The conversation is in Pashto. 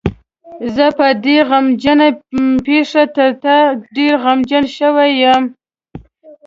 زه په دې غمجنه پېښه تر تا ډېر غمجن شوی یم.